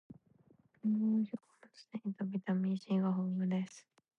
りんごは食物繊維とビタミン C が豊富です